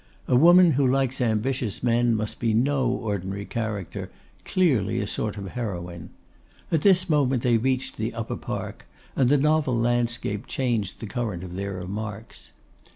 A woman who likes ambitious men must be no ordinary character; clearly a sort of heroine. At this moment they reached the Upper Park, and the novel landscape changed the current of their remarks.